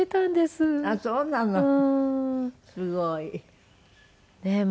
すごい。ねえ。